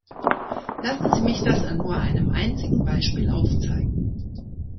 Lassen Sie mich das an nur einem einzigen Beispiel aufzeigen.